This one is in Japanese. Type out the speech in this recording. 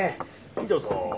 どうぞ。